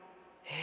え！